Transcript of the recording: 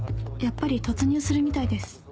やっぱり突入するみたいです。